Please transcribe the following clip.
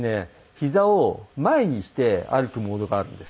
ひざを前にして歩くモードがあるんです。